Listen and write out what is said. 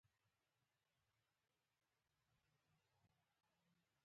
مترجم د ابن بطوطه غلطی اصلاح کړي دي.